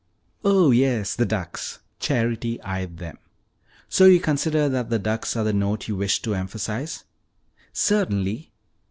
"Oh, yes, the ducks," Charity eyed them. "So you consider that the ducks are the note you wish to emphasize?" "Certainly."